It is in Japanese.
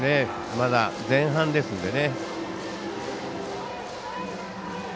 まだ前半ですのでね。